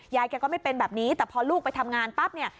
ยายแกก็ไม่เป็นแบบนี้แต่พอลูกไปทำงานปั๊บเนี่ย